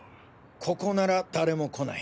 ここなら誰も来ない。